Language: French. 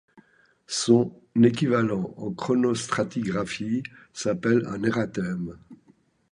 Son équivalent en chronostratigraphie s'appelle un érathème.